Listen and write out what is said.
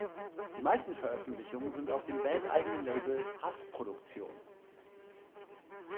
Die meisten Veröffentlichungen sind auf dem Band-eigenem Label "Hass Produktion".